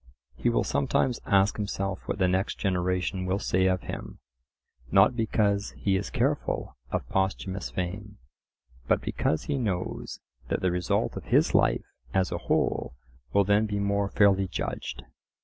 He will sometimes ask himself what the next generation will say of him; not because he is careful of posthumous fame, but because he knows that the result of his life as a whole will then be more fairly judged.